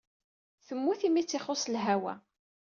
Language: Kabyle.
Temmut imi ay tt-ixuṣṣ lhawa.